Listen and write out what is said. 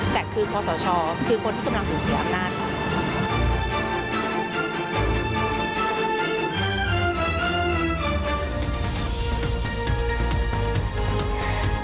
แต่คือคอสชคือคนที่กำลังสูญเสียอำนาจ